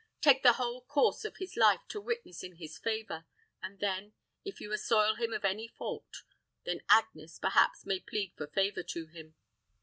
Take the whole course of his life to witness in his favor; and then, if you assoil him of any fault then Agnes, perhaps, may plead for favor to him."